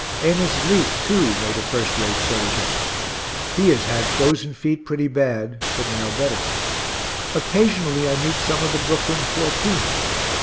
Amos Vliet, too, made a first rate soldier. He has had frozen feet pretty bad, but now better. Occasionally I meet some of the Brooklyn Fourteenth.